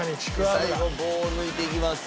最後棒を抜いていきます。